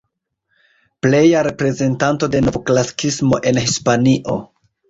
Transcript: Pleja reprezentanto de novklasikismo en Hispanio.